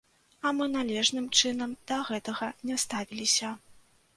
А мы належным чынам да гэтага не ставіліся.